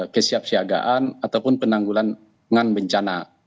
kesiapsiagaan ataupun penanggulan bencana